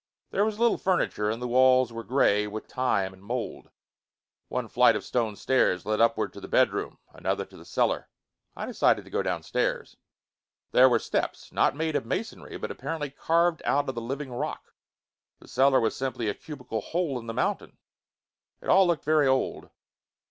There was little furniture, and the walls were gray with time and mold. One flight of stone stairs led upward to the bedroom, another to the cellar. I decided to go downstairs. They were steps, not made of masonry, but apparently carved out of the living rock. The cellar was simply a cubical hole in the mountain. It all looked very old.